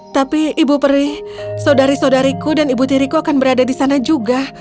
tapi ibu peri saudari saudariku dan ibu tiriku akan berada di sana juga